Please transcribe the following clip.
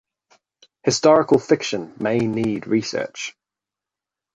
Historical fiction may need research.